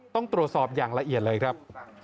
ต้องตรวจสอบอย่างละเอียดเลยครับ